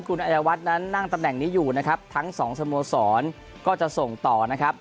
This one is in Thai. คุณอายวัฒน์นั้นนั่งตำแหน่งนี้อยู่นะครับทั้งสองสโมสรก็จะส่งต่อนะครับ